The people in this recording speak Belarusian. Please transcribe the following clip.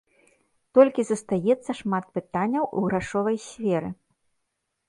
Толькі застаецца шмат пытанняў у грашовай сферы.